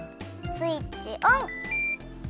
スイッチオン！